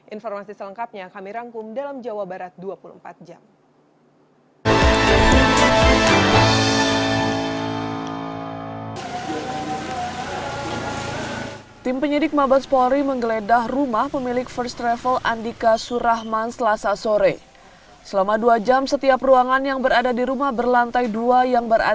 informasi selengkapnya kami rangkum dalam jawa barat dua puluh empat jam